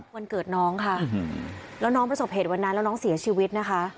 วันเกิดน้องค่ะแล้วน้องประสบเหตุวันนั้นแล้วน้องเสียชีวิตนะคะ